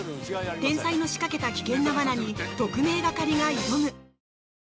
天才の仕掛けた危険な罠に特命係が挑む！